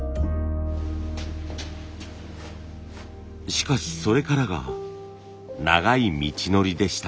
しかしそれからが長い道のりでした。